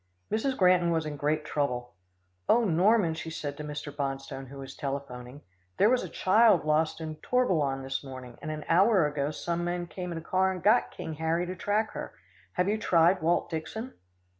Mrs. Granton was in great trouble. "Oh! Norman," she said to Mr. Bonstone who was telephoning, "there was a child lost in Torbellon this morning, and an hour ago some men came in a car and got King Harry to track her Have you tried Walt Dixon?"